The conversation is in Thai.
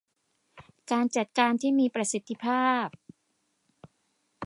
การจัดการที่มีประสิทธิภาพ